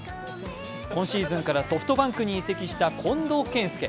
今シーズンからソフトバンクに移籍した近藤健介。